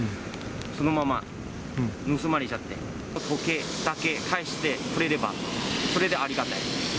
そのまま盗まれちゃって、時計だけ返してくれればそれでありがたい。